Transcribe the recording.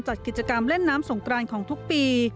จัดกิจกรรมเล่นน้ำสงกรานของทุกปี